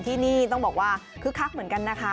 ที่นี่ต้องบอกว่าคึกคักเหมือนกันนะคะ